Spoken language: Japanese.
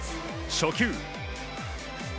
初球。